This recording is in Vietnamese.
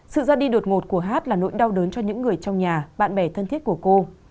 sự ra đi đột ngột của hát là nỗi đau đớn cho những người trong nhà bạn bè thân thiết của cô